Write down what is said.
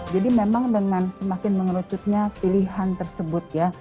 jadi memang dengan semakin mengerucutnya pilihan tersebut ya